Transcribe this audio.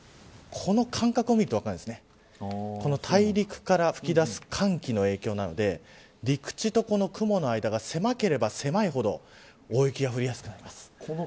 この大陸から吹き出す寒気の影響なので陸地と雲の間が狭ければ狭いほど大雪が降りやすくなります。